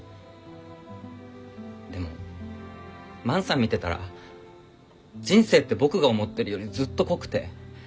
でも万さん見てたら人生って僕が思ってるよりずっと濃くて。